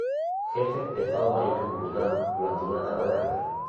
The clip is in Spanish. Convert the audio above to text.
Jefe de Estado Mayor republicano durante una etapa de la guerra.